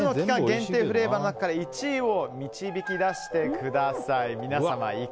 限定フレーバーの中から１位を導き出してください。